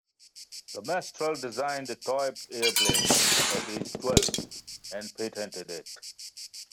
De Mestral designed a toy airplane at age twelve and patented it.